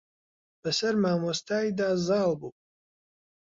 بە سەر مامۆستای دا زاڵ بوو.